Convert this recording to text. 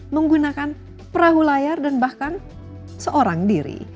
menggunakan perahu layar dan bahkan seorang diri